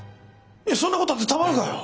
そんなことがあってたまるかよ！